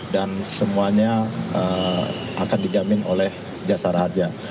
dan semuanya akan dijamin oleh jasar harja